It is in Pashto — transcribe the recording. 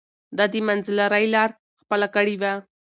ده د منځلارۍ لار خپله کړې وه.